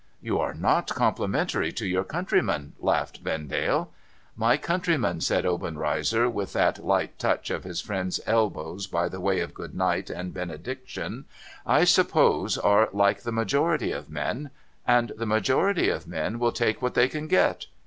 ' You are not complimentary to your countrymen,' laughed Vendale. ' My countrymen,' said Obenreizer, with that light touch of his friend's elbows by way of Good Night and benediction, ' I suppose are like the majority of men. And the majority of men will take what they can get.